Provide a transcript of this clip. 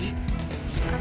tidak ada foto